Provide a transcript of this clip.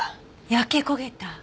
焼け焦げた？